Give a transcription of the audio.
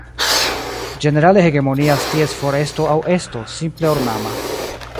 Ĝenerale hegemonias ties foresto aŭ esto simple ornama.